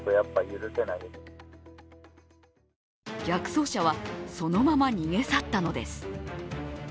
逆走車は、そのまま逃げ去ったのです。